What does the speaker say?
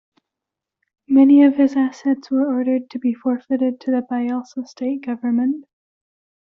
Many of his assets were ordered to be forfeited to the Bayelsa state government.